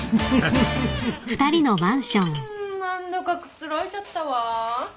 うん何だかくつろいじゃったわ。